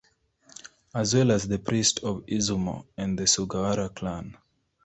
As well as the priests of Izumo and the Sugawara clan.